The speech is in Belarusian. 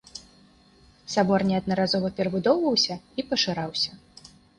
Сабор неаднаразова перабудоўваўся і пашыраўся.